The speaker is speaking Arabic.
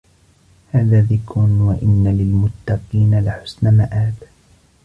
هذا ذكر وإن للمتقين لحسن مآب